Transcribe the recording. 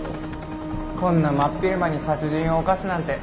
こんな真っ昼間に殺人を犯すなんて。